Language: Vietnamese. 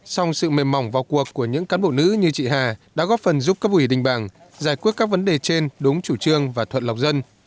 song sự mềm mỏng vào cuộc của những cán bộ nữ như chị hà đã góp phần giúp cấp ủy đình bảng giải quyết các vấn đề trên đúng chủ trương và thuận lọc dân